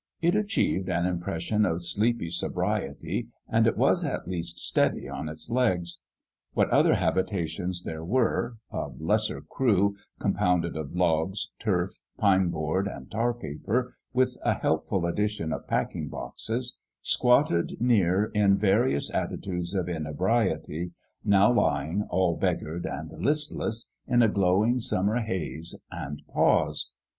It achieved an impression of sleepy sobriety, and it was at least steady on its legs. What other habitations there were a lesser crew, compounded of logs, turf, pine board and tar paper, with a helpful addition of packing boxes squatted near in various attitudes of in ebriety, now lying, all beggared and listless, in a glowing summer haze and pause.